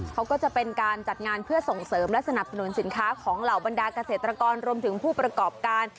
เขาก็จะเป็นการจัดงานเพื่อส่งเสริมและสนับสนุนสินค้าของเหล่าบรรดาเกษตรกรรวมถึงผู้ประกอบการ